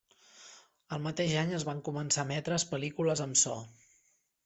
Al mateix any es van començar a emetre pel·lícules amb so.